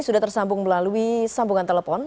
sudah tersambung melalui sambungan telepon